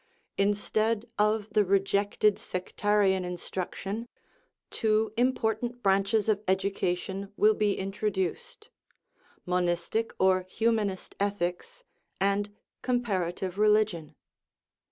Instead of the rejected sectarian instruction, two important branches of education will be introduced monistic or humanist ethics and comparative relig ion.